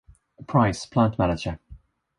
Price, plant manager.